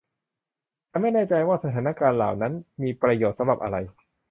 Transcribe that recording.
ฉันไม่แน่ใจว่าสถานการณ์เหล่านั้นมีประโยชน์สำหรับอะไร